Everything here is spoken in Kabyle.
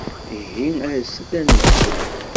Ihi as-d ad nebdu.